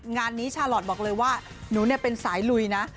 งานนี้ชาลอทบอกเลยว่าหนูเป็นสายลุยนะ